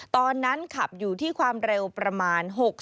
ตอนนั้นขับอยู่ที่ความเร็วประมาณ๖๐